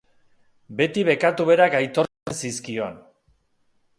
Beti bekatu berak aitortzen zizkion.